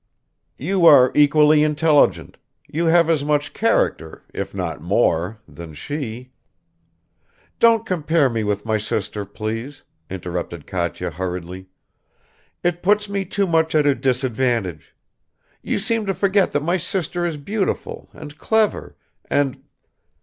"You are equally intelligent; you have as much character, if not more, than she ..." "Don't compare me with my sister, please," interrupted Katya hurriedly; "it puts me too much at a disadvantage. You seem to forget that my sister is beautiful and clever and